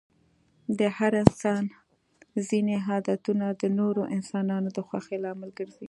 د هر انسان ځيني عادتونه د نورو انسانانو د خوښی لامل ګرځي.